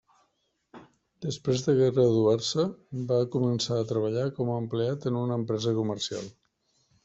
Després de graduar-se, va començar a treballar com a empleat en una empresa comercial.